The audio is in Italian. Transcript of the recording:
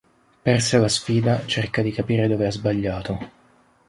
Persa la sfida, cerca di capire dove ha sbagliato.